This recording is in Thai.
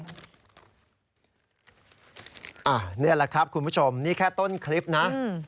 นี่แหละครับคุณผู้ชมนี่แค่ต้นคลิปนะ